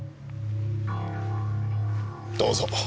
どうぞ。